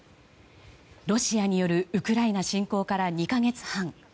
ロシアによるウクライナ侵攻から２か月半。